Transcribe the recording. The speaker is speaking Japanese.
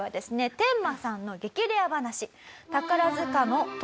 テンマさんの激レア話。